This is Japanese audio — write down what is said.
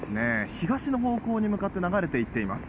東の方向に向かって流れていっています。